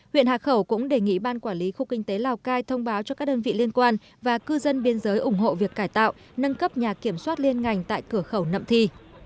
huyện hà khẩu cũng đề nghị ban quản lý khu kinh tế lào cai thông báo cho các đơn vị liên quan và cư dân biên giới ủng hộ việc cải tạo nâng cấp nhà kiểm soát liên ngành tại cửa khẩu nậm thi